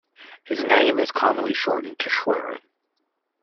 His name is commonly shortened to Schwerin.